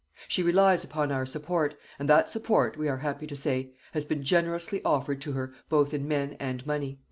She relies upon our support, and that support, we are happy to say, has been generously offered to her both in men and money.